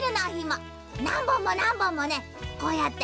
なんぼんもなんぼんもねこうやって。